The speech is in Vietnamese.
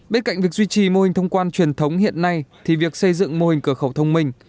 bên cạnh việc duy trì mô hình thông quan truyền thống hiện nay thì việc xây dựng mô hình cửa khẩu thông minh